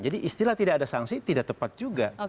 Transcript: jadi istilah tidak ada sanksi tidak tepat juga